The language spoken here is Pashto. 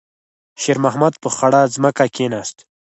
شېرمحمد په خړه ځمکه کېناست.